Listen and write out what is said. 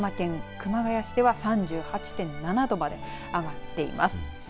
また、埼玉県熊谷市では３８．７度まで上がっています。